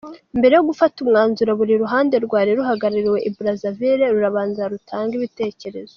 Mbere yo gufata umwanzuro buri ruhande rwari ruhagarariwe i Brazzaville rurabanza rutange ibitekerezo.